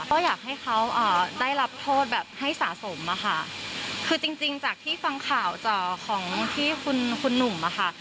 ก็อยากให้เขาได้รับโทษแบบให้สะสมอะค่ะคือจริงจริงจากที่ฟังข่าวจากของที่คุณคุณหนุ่มอะค่ะ